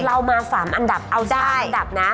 เรามา๓อันดับเอา๓อันดับนะ